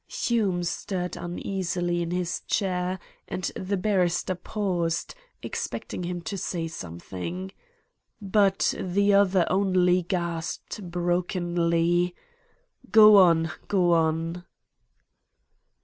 Hume stirred uneasily in his chair, and the barrister paused, expecting him to say something. But the other only gasped brokenly: "Go on; go on!"